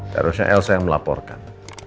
seharusnya elsa yang melaporkan